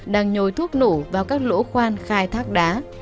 đang nhồi thuốc nổ vào các lỗ khoan khai thác đá